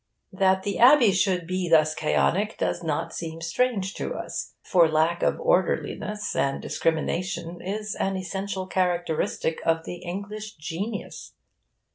That the Abbey should be thus chaotic does not seem strange to us; for lack of orderliness and discrimination is an essential characteristic of the English genius.